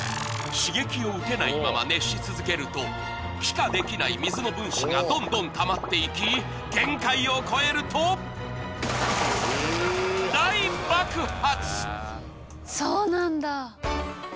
刺激を受けないまま熱し続けると気化できない水の分子がどんどんたまっていき限界を超えるとそうなんだ！